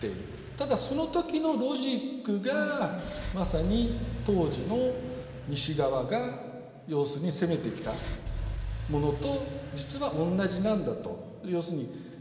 ただ、その時のロジックがまさに当時の西側が要するに攻めてきたものと実は同じなんだと。